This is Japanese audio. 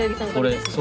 これですね。